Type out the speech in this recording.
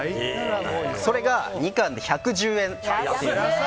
それが２貫で１１０円。